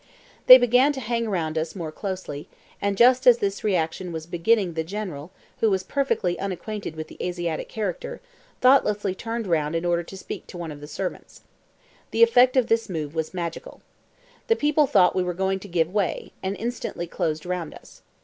They began to hang round us more closely, and just as this reaction was beginning the General, who was perfectly unacquainted with the Asiatic character, thoughtlessly turned round in order to speak to one of the servants. The effect of this slight move was magical. The people thought we were going to give way, and instantly closed round us.